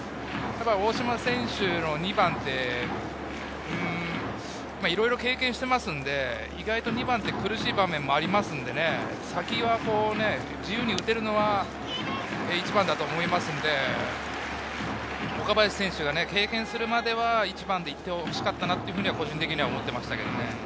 大島選手の２番って、いろいろ経験していますので、意外と２番って苦しい場面もありますので、先が自由に打てるのは１番だと思いますので、岡林選手が経験するまでは１番でいってほしかったなというふうに個人的には思っていました。